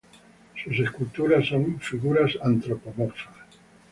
Sus esculturas son figuras antropomorfas.